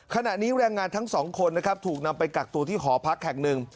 ขณะนี้แรงงานทั้งสองคนนะครับถูกนำไปกักตัวที่หอพักแห่งหนึ่ง